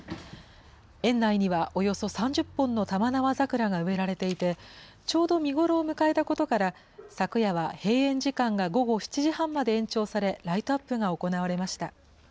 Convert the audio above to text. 園内にはおよそ３０本の玉縄桜が植えられていて、ちょうど見頃を迎えたことから、昨夜は閉園時間が午後７時半まで延長され、ライトアップが行われました。